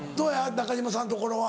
中嶋さんところは。